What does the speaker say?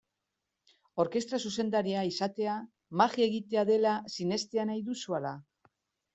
Orkestra zuzendaria izatea magia egitea dela sinestea nahi duzu, ala?